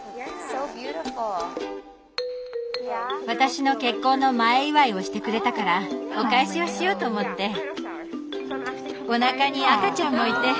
私の結婚の前祝いをしてくれたからお返しをしようと思って。